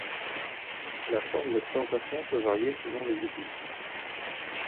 La forme des présentations peut varier selon les églises.